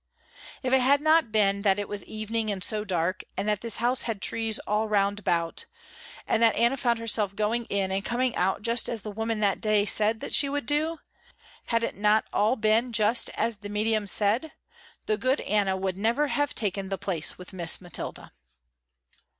If it had not been that it was evening, and so dark, and that this house had trees all round about, and that Anna found herself going in and coming out just as the woman that day said that she would do, had it not all been just as the medium said, the good Anna would never have taken the place with Miss Mathilda.